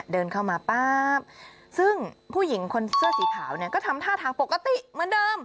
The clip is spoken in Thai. เดินเข้ามาป๊าบซึ่งผู้หญิงคนเสื้อสีขาวเนี่ยก็ทำท่าทางปกติเหมือนเดิม